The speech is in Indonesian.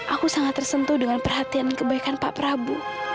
aku sangat tersentuh dengan perhatian kebaikan pak prabu